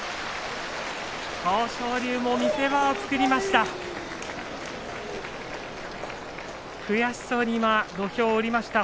豊昇龍が見せ場を作りました。